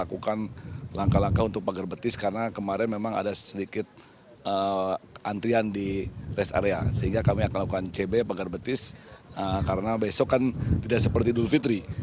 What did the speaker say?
puncaknya akan terjadi pada hari minggu begitu putri